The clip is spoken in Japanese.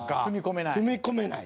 踏み込めない。